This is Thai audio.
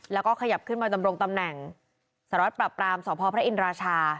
แล้วก็ขยับขึ้นมาดำรงตำแหน่งสารวัตรปรับปรามสพพระอินราชา